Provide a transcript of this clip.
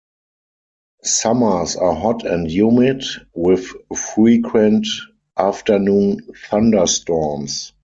Summers are hot and humid with frequent afternoon thunderstorms.